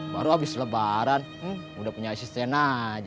baru habis lebaran udah punya asisten aja